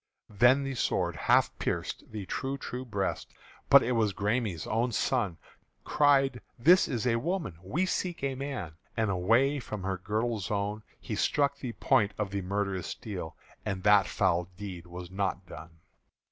Then the sword half pierced the true true breast: But it was the Græme's own son Cried, "This is a woman we seek a man!" And away from her girdle zone He struck the point of the murderous steel; And that foul deed was not done.